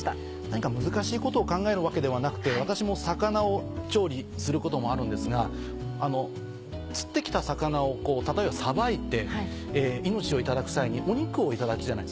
何か難しいことを考えるわけではなくて私も魚を調理することもあるんですが釣って来た魚をこう例えばさばいて命を頂く際にお肉を頂くじゃないですか。